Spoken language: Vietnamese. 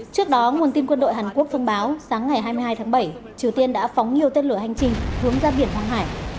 trước đó nguồn tin quân đội hàn quốc thông báo sáng ngày hai mươi hai tháng bảy triều tiên đã phóng nhiều tên lửa hành trình hướng ra biển hoàng hải